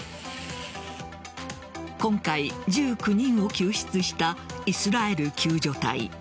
今回、１９人を救出したイスラエル救助隊。